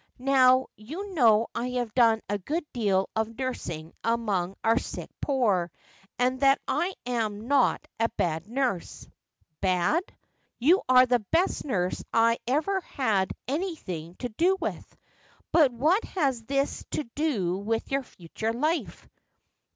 Now you know I have done a good deal of nursing among our sick poor, and that I am not a bad nurse.' ' Bad ? you are the best nurse I ever had anything to do with. But what has this to do with your future life